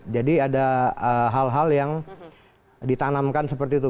jadi ada hal hal yang ditanamkan seperti itu